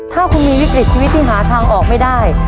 ถ้าคุณมีวิกฤตชีวิตที่หาทางออกไม่ได้